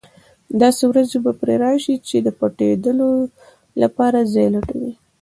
داسې ورځې به پرې راشي چې د پټېدلو لپاره ځای لټوي.